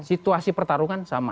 situasi pertarungan sama